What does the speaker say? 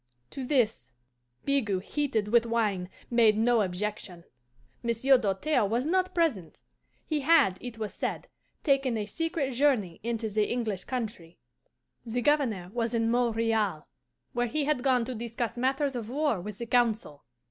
To this, Bigot, heated with wine, made no objection. Monsieur Doltaire was not present; he had, it was said, taken a secret journey into the English country. The Governor was in Montreal, where he had gone to discuss matters of war with the Council.